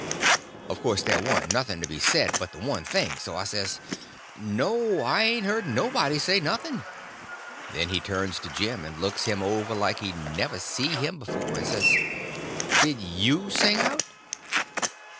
Of course there warn't nothing to be said but the one thing; so I says: "No; I ain't heard nobody say nothing." Then he turns to Jim, and looks him over like he never see him before, and says: "Did you sing out?"